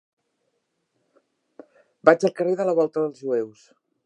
Vaig al carrer de la Volta dels Jueus.